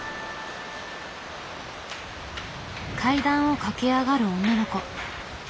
階段を駆け上がる女の子。